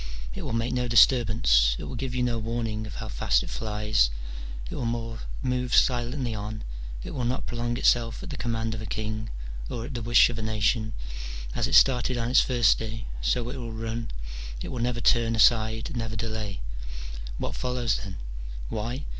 It will make no dis turbance, it will give you no warning of how fast it flies : it will move silently on : it will not prolong itself at the command of a king, or at the wish of a nation : as it started on its first day, so it will run : it will never turn aside, never delay. What follows, then ? Why